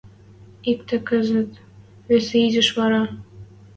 Иктӹ кӹзӹт, весӹ изиш вара.